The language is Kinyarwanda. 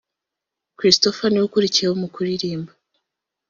christopher niwe ukurikiyeho mu kuririmba